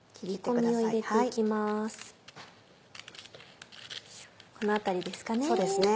この辺りですかね？